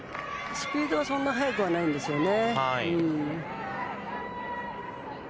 スピードはそんな速くないんですよね。